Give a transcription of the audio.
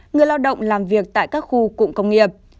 người lao động làm việc tại các khu cụm công nghiệp